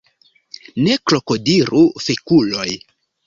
Ne krokodilu fekuloj!